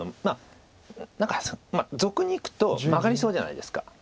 何か俗にいくとマガりそうじゃないですか。